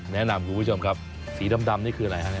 แนะนำคุณผู้ชมครับสีดำนี่คืออะไรฮะ